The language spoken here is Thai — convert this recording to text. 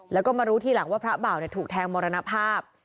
แล้วก็มารู้ทีหลังว่าพระบ่าวถูกแทงมรณภาพ